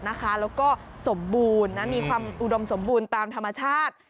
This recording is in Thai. แล้วก็สมบูรณ์มีความอุดมสมบูรณ์ตามธรรมชาติ